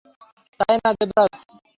তাই না, দেবরাজ?